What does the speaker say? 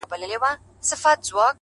تېره جنازه سوله اوس ورا ته مخامخ يمه ـ